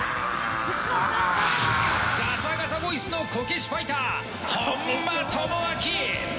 ガサガサボイスのこけしファイター・本間朋晃！